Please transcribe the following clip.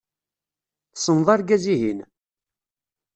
Tessneḍ argaz-ihin?